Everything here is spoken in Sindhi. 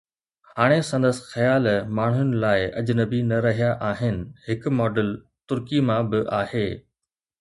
هاڻي سندس خيال ماڻهن لاءِ اجنبي نه رهيا آهن، هڪ ماڊل ترڪي مان به آهي.